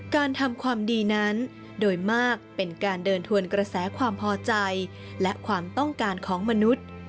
การทำความดีนั้นโดยมากเป็นการเดินทวนกระแสความพอใจและความต้องการของมนุษย์